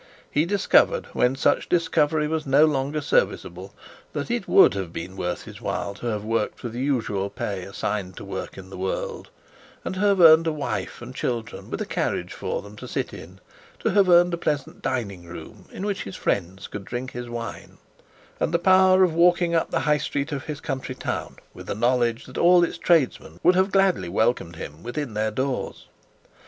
He discovered, when much was discovery was no longer serviceable, that it would have been worth his while to have worked for the usual pay assigned to work in this world, and have earned a wife and children, with a carriage for them to sit in; to have earned a pleasant dining room, in which his friends could drink his wine, and the power of walking up in the high street of his country town, with the knowledge that all its tradesmen would have gladly welcomed him within their doors.